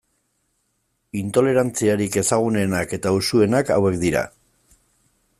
Intolerantziarik ezagunenak eta usuenak hauek dira.